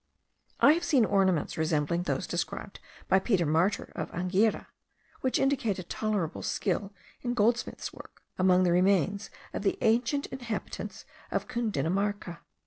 I have seen ornaments resembling those described by Peter Martyr of Anghiera (which indicate tolerable skill in goldsmiths' work), among the remains of the ancient inhabitants of Cundinamarca.